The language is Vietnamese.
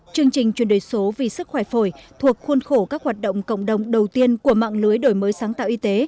chương trình chuyển đổi số vì sức khỏe phổi thuộc khuôn khổ các hoạt động cộng đồng đầu tiên của mạng lưới đổi mới sáng tạo y tế